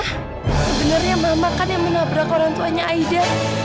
sebenernya mama kan yang menabrak orang tuanya aida